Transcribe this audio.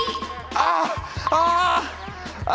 ああ！